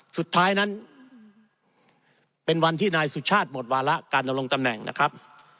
สุดท้ายนั้นเป็นวันที่นายสุชาติหมดวาระการดำรงตำแหน่งนะครับ